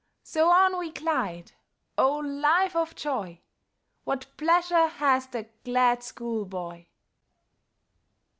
So on we glide O, life of joy; What pleasure has the glad school boy!